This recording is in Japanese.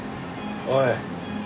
おい。